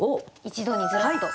一度にずらっと。